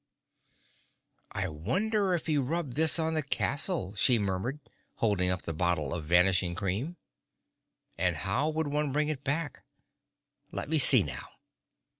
"I wonder if he rubbed this on the castle," she murmured, holding up the bottle of Vanishing Cream. "And how would one bring it back? Let me see, now."